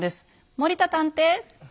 森田探偵。